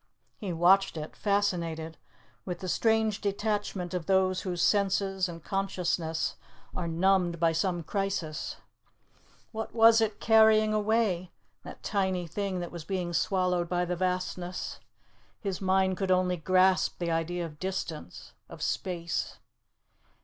He watched it, fascinated, with the strange detachment of those whose senses and consciousness are numbed by some crisis. What was it carrying away, that tiny thing that was being swallowed by the vastness? His mind could only grasp the idea of distance ... of space.